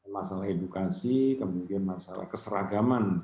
masalah edukasi kemudian masalah keseragaman